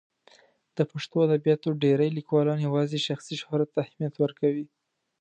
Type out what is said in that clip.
د پښتو ادبیاتو ډېری لیکوالان یوازې شخصي شهرت ته اهمیت ورکوي.